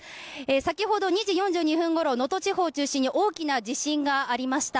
先ほど２時４２分ごろ能登地方を中心に大きな地震がありました。